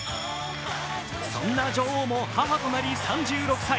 そんな女王も母となり、３６歳。